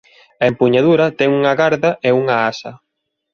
A empuñadura ten unha garda e unha asa.